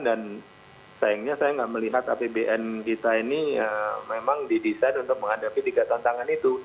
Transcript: sayangnya saya nggak melihat apbn kita ini memang didesain untuk menghadapi tiga tantangan itu